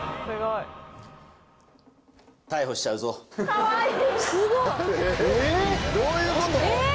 かわいい！